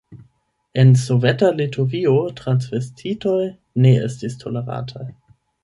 En soveta Litovio transvestitoj ne estis tolerataj.